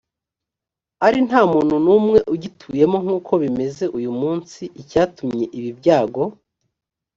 ari nta muntu n umwe ugituyemo nk uko bimeze uyu munsi icyatumye ibi byago